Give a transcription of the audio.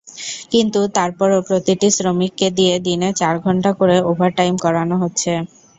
কিন্তু তারপরও প্রতিটি শ্রমিককে দিয়ে দিনে চার ঘণ্টা করে ওভারটাইম করানো হচ্ছে।